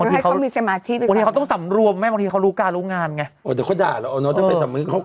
เหลือมดดสัมภาษณ์ไม่ได้